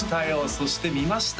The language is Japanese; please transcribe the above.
そして見ました？